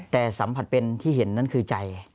แต่สัมผัสเป็นที่เห็นนั่นคือใจ